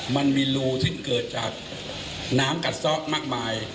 มันมีรูซึ่งเกิดจากน้ำกัดซ่อมากมาย